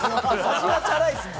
味はチャラいです。